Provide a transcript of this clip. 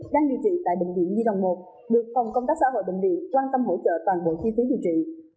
đang điều trị tại bệnh viện nhi đồng một được phòng công tác xã hội bệnh viện quan tâm hỗ trợ toàn bộ chi phí điều trị